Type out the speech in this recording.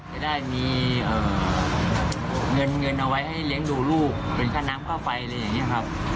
จะได้มีเงินเงินเอาไว้ให้เลี้ยงดูลูกเป็นค่าน้ำค่าไฟอะไรอย่างนี้ครับ